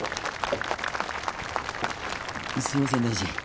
すみません大臣。